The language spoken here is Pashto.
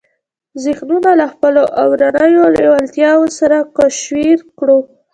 ذهنونه له خپلو اورنيو لېوالتیاوو سره کوشير کړو.